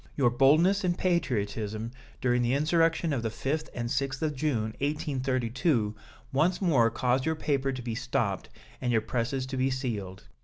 Your boldness and patriotism during the insurrection of the 5th and 6th of June, 1832, once more caused your paper to be stopped and your presses to be sealed.